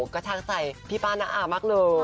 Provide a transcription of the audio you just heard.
กระชากใจพี่ป้าหน้ามากเลย